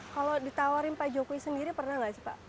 kalau ditawarin pak jokowi sendiri pernah nggak sih pak